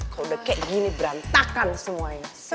kalau udah kayak gini berantakan semuanya